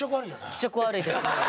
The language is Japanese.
気色悪いです。